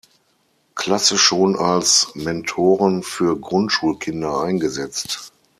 Klasse schon als Mentoren für Grundschulkinder eingesetzt.